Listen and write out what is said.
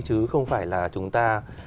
chứ không phải là chúng ta